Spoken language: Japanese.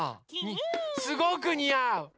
すごくにあう！